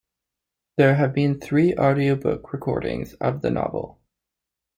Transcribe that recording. There have been three audiobook recordings of the novel.